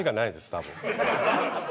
多分。